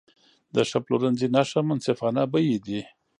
د ښه پلورنځي نښه منصفانه بیې دي.